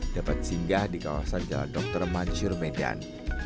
dapat singgah di kawasan jalan dr mansur medan